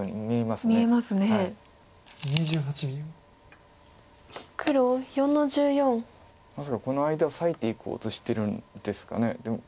まさかこの間を裂いていこうとしてるんですか。